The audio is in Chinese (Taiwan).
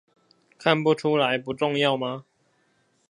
看不出來不重要嗎？